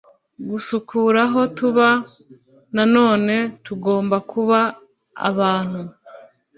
gusukura aho tuba nanone tugomba kuba abantu